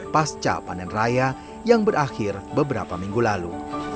pasca panen raya yang berakhir beberapa minggu lalu